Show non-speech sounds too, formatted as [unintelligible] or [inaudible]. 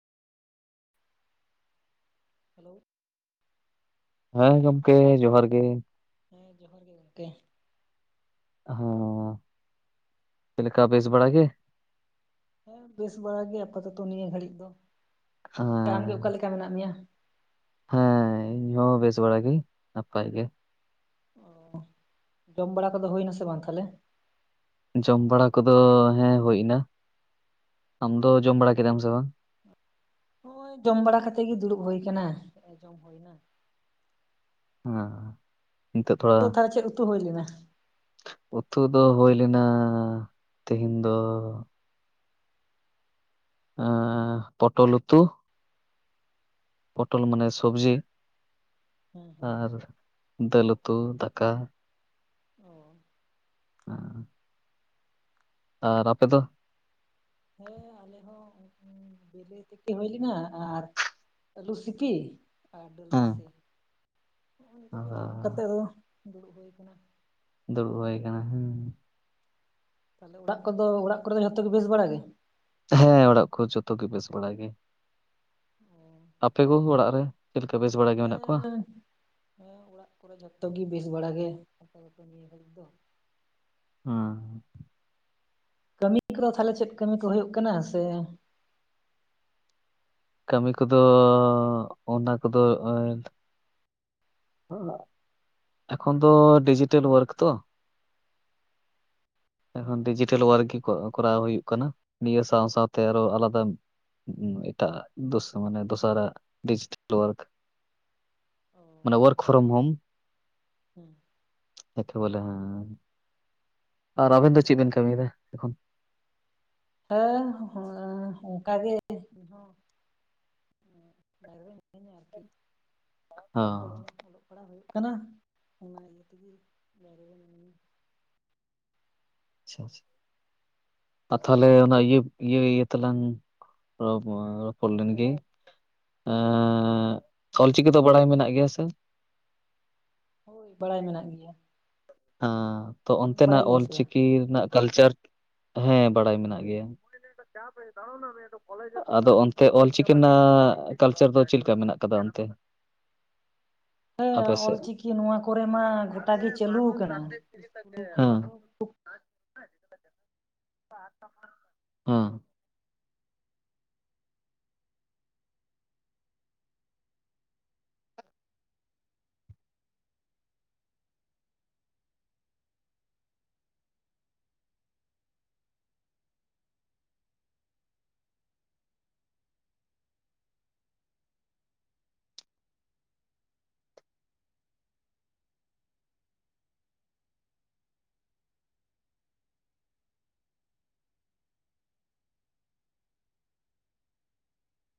Hello ᱦᱮᱸ ᱜᱚᱢᱠᱮ ᱡᱚᱦᱟᱨ ᱜᱮ᱾ ᱦᱮᱸ ᱡᱚᱦᱟᱨ ᱜᱮ ᱜᱚᱢᱠᱮ ᱦᱚ ᱪᱚᱞᱮᱠᱟ ᱵᱮᱥ ᱵᱟᱲᱟ ᱜᱮ ᱦᱮᱸ ᱵᱮᱥ ᱵᱟᱲᱟ ᱜᱮ ᱟᱯᱟᱛᱚᱛᱚ ᱱᱤᱭᱟᱹ ᱜᱷᱟᱹᱲᱤᱡ ᱫᱚ ᱜᱚᱢᱠᱮ ᱟᱢ ᱜᱮ ᱚᱠᱟ ᱦᱮᱸ ᱞᱮᱠᱟ ᱢᱮᱱᱟᱜ ᱢᱮᱭᱟ᱾ ᱦᱮᱸ ᱤᱧ ᱦᱚᱸ ᱵᱮᱥ ᱵᱟᱲᱟ ᱜᱮ ᱱᱟᱯᱟᱭ ᱜᱮ ᱚ ᱡᱚᱢ ᱵᱟᱲᱟ ᱠᱚᱫᱚ ᱦᱩᱭ ᱱᱟᱥᱮ ᱵᱟᱝ ᱛᱟᱦᱞᱮ ᱡᱚᱢ ᱵᱟᱲᱟ ᱠᱚᱫᱚ ᱦᱮᱸ ᱦᱩᱭ ᱮᱱᱟ ᱟᱢ ᱫᱚ ᱡᱚᱢ ᱵᱟᱲᱟ ᱠᱮᱫᱟᱢ ᱥᱮ ᱵᱟᱝ ᱱᱚᱳᱭ ᱡᱚᱢ ᱵᱟᱲᱟ ᱠᱟᱛᱮᱜ ᱜᱮ ᱫᱩᱲᱩᱵ ᱦᱩᱭᱩ ᱟᱠᱟᱱᱟ ᱱᱮ ᱡᱚᱢ ᱦᱚᱭᱱᱟ ᱦᱚᱸ ᱩᱛᱩ ᱫᱚ ᱛᱷᱟ ᱪᱮᱫ ᱩᱛᱩ ᱦᱩᱭ ᱞᱮᱱᱟ ᱩᱛᱩ ᱫᱚ ᱦᱩᱭ ᱞᱮᱱᱟ ᱛᱮᱦᱤᱧ ᱫᱚ ᱟ ᱯᱚᱴᱚᱞ ᱩᱛᱩ ᱯᱚᱴᱚᱞ ᱢᱟᱱᱮ ᱥᱚᱵᱡᱤ ᱦᱮᱸ ᱦᱮᱸ ᱟᱨ ᱫᱟᱹᱞ ᱩᱛᱩ ᱫᱟᱠᱟ᱾ ᱚ ᱦ ᱟᱨ ᱟᱯᱮ ᱫᱚ ᱦᱮᱸ ᱟᱞᱮ ᱦᱚᱸ ᱵᱤᱞᱤ ᱛᱤᱠᱤ ᱦᱩᱭᱞᱤᱱᱟ ᱟᱨ ᱟᱞᱩᱥᱤᱯᱤ ᱟᱨ ᱫᱟᱹᱞ ᱦᱮᱸ ᱨᱟᱥᱮ ᱱᱮᱼᱱᱤᱛᱚᱜ ᱟᱨ ᱜᱮ ᱡᱚᱢ ᱠᱟᱛᱮ ᱫᱚ ᱫᱩᱲᱩᱵ ᱦᱩᱭ ᱠᱟᱱᱟ ᱫᱩᱲᱩᱵ ᱦᱩᱭ ᱠᱟᱱᱟ ᱦᱩ ᱛᱟᱦᱚᱞᱮ ᱚᱲᱟᱜ ᱠᱚᱫᱚ ᱚᱲᱟᱜ ᱠᱚᱨᱮᱼᱫᱚ ᱡᱚᱛᱚ ᱜᱮ ᱵᱮᱥ ᱵᱟᱲᱟ ᱜᱮ ᱦᱮᱸ ᱚᱲᱟᱜ ᱠᱚ ᱡᱚᱛᱚ ᱜᱮ ᱵᱮᱥ ᱵᱟᱲᱟ ᱜᱮ ᱚ ᱟᱯᱮ ᱠᱚᱜᱮ ᱚᱲᱟᱜ ᱨᱮ ᱪᱮᱫ ᱞᱮᱠᱟ ᱵᱮᱥ ᱵᱟᱲᱟ ᱜᱮ ᱢᱮᱱᱟᱜ ᱠᱚᱣᱟ ᱦᱮᱸ ᱦᱮᱸ ᱚᱲᱟᱜ ᱠᱚᱨᱮ ᱡᱷᱚᱛᱚ ᱜᱮ ᱵᱮᱥ ᱵᱟᱲᱟᱜ ᱜᱮ ᱟᱯᱟᱛᱚᱛᱚ ᱱᱤᱭᱟᱹ ᱜᱷᱟᱲᱤᱡ ᱫᱚ ᱦᱮᱸ ᱠᱟᱹᱢᱤ ᱠᱚᱫᱚ ᱛᱟᱦᱚᱞᱮ ᱪᱮᱫ ᱠᱟᱹᱢᱤ ᱠᱚ ᱦᱳᱭᱳᱜ ᱠᱟᱱᱟ ᱥᱮ ᱠᱟᱹᱢᱤ ᱠᱚᱫᱚ ᱚᱱᱟ ᱠᱚᱫᱚ ᱮᱠᱷᱚᱱ ᱫᱚ ᱰᱤᱡᱤᱴᱮᱞ ᱳᱣᱟᱨᱠ ᱛᱚ ᱦᱮᱸ ᱮᱠᱷᱚᱱ [unintelligible] [unintelligible] ᱳᱣᱟᱨᱠ ᱜᱮ ᱠᱚᱨᱟᱣ ᱦᱩᱭᱩᱜ ᱠᱟᱱᱟ, ᱱᱤᱭᱟᱹ ᱥᱟᱶ ᱥᱟᱶᱛᱮ ᱟᱨᱚ ᱟᱞᱟᱫᱟ ᱮᱴᱟᱜ-ᱟᱜ ᱢᱟᱱᱮ ᱫᱚᱥᱟᱨᱟᱜ ᱰᱤᱡᱤᱴᱟᱞ ᱳᱣᱟᱨᱠ ᱚ ᱢᱟᱱᱮ ᱳᱣᱟᱨᱠ ᱯᱷᱨᱚᱢ ᱦᱳᱢ [inaudible] ᱦᱮᱸ ᱟᱨ ᱟᱵᱮᱱ ᱫᱚ ᱪᱮᱫ ᱵᱮᱱ ᱠᱟᱹᱢᱤᱭᱫᱟ ᱮᱠᱷᱚᱱ ᱦᱮᱸ ᱚᱱᱠᱟᱜᱮ ᱤᱧ ᱦᱚᱸ ᱢᱤᱱᱟᱹᱧᱟ ᱟᱨᱠᱤ ᱚ ᱯᱟᱲᱦᱟᱣ ᱚᱞᱚᱜ ᱵᱟᱲᱟ ᱦᱳᱭᱳᱜ ᱠᱟᱱᱟ ᱚᱱᱟ ᱤᱭᱟᱹ ᱛᱮᱜᱮ [inaudible] ᱟᱪᱷᱟ ᱟᱪᱷᱟ ᱟᱨ ᱛᱟᱦᱚᱞᱮ ᱚᱱᱟ ᱤᱭᱟᱹ ᱤᱭᱟᱹ ᱤᱭᱟᱹ ᱛᱮᱞᱟᱝ ᱨᱚᱯᱚᱲ ᱞᱮᱱ ᱜᱮ ᱮᱻᱜ ᱚᱞᱪᱤᱠᱤ ᱫᱚ ᱵᱟᱲᱟᱭ ᱢᱮᱱᱟᱜ ᱜᱮᱭᱟ ᱥᱮ ᱦᱳᱭ ᱵᱟᱲᱟᱭ ᱢᱮᱱᱟᱜ ᱜᱮᱭᱟ ᱦᱮᱸ ᱛᱚ ᱟᱢᱮᱢ ᱚᱱᱛᱮᱱᱟᱜ ᱵᱟᱲᱟᱭ ᱜᱮᱭᱟ ᱥᱮ ᱵᱟᱝ ᱚᱞᱪᱤᱠᱤ ᱨᱮᱱᱟᱜ ᱠᱟᱞᱪᱟᱨ ᱦᱮᱸ ᱵᱟᱲᱟᱭ ᱢᱮᱱᱟᱜ ᱜᱮᱭᱟ ᱟᱫᱚ ᱚᱱᱛᱮ ᱚᱞᱪᱤᱠᱤ ᱨᱮᱱᱟᱜ ᱠᱟᱞᱪᱟᱨ ᱫᱚ ᱪᱮᱫᱠᱟ ᱢᱮᱱᱟᱜ ᱠᱟᱫᱟ ᱚᱱᱛᱮ ᱦᱮᱸ ᱟᱯᱮ ᱥᱮᱫ ᱚᱞᱪᱤᱠᱤ ᱱᱚᱣᱟ ᱠᱚᱨᱮ ᱢᱟ ᱜᱚᱴᱟ ᱜᱮ ᱪᱟᱹᱞᱩ ᱠᱟᱱᱟ ᱤᱥᱠᱩᱞ ᱠᱚᱨᱮ ᱦᱮᱸ ᱦᱚᱸ ᱦᱩᱸ